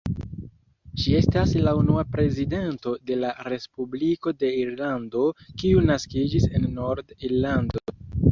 Ŝi estas la unua prezidento de la Respubliko de Irlando kiu naskiĝis en Nord-Irlando.